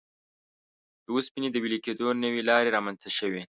د اوسپنې د وېلې کېدو نوې لارې رامنځته شوې.